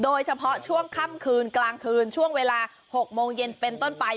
โดยเฉพาะช่วงค่ำคืนกลางคืนช่วงเวลา๖โมงเย็นเป็นต้นไป